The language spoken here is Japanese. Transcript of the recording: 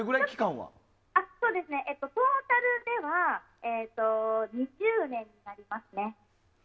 トータルでは２０年になりますね。